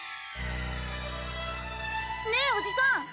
ねえおじさん。